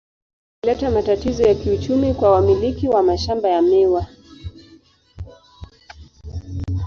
Hii ilileta matatizo ya kiuchumi kwa wamiliki wa mashamba ya miwa.